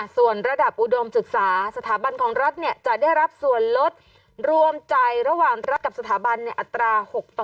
ส่วนระดับอุดมศึกษาสถาบันของรัฐจะได้รับส่วนลดรวมใจระหว่างรัฐกับสถาบันในอัตรา๖ต่อ